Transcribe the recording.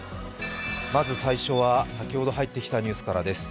まず最初は先ほど入ってきたニュースからです。